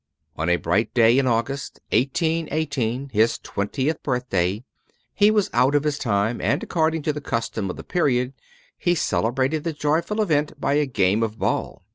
On a bright day in August, 1818, his twentieth birthday, he was out of his time, and, according to the custom of the period, he celebrated the joyful event by a game of ball!